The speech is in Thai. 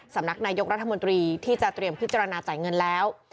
สำนักนายกรัฐมนตรีที่จะเตรียมพิจารณาจ่ายเงินแล้ว